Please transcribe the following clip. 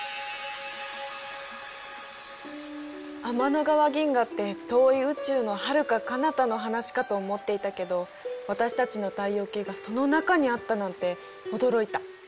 天の川銀河って遠い宇宙のはるかかなたの話かと思っていたけど私たちの太陽系がその中にあったなんて驚いた。